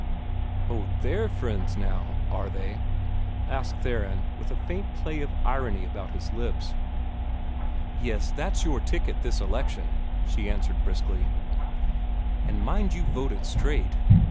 "Oh, THEY'RE my friends now, are they?" asked Theron, with a faint play of irony about his lips. "Yes, that's your ticket this election," she answered briskly, "and mind you vote it straight.